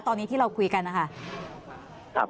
ตอนนี้ที่เราคุยกันนะคะ